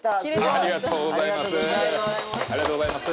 ありがとうございます。